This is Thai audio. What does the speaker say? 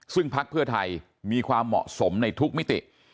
ซึ่งพักเพื่อไทยมีความเหมาะสมในทุกมิติ